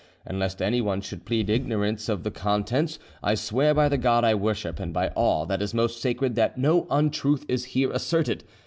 And lest anyone should plead ignorance of the contents, I swear by the God I worship and by all that is most sacred that no untruth is here asserted.